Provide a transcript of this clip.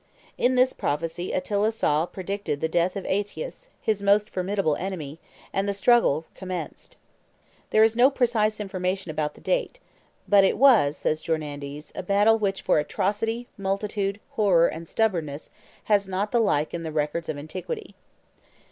In this prophecy Attila saw predicted the death of Aetius, his most formidable enemy; and the struggle commenced. There is no precise information about the date; but "it was," says Jornandes, "a battle which for atrocity, multitude, horror, and stubbornness has not the like in the records of antiquity."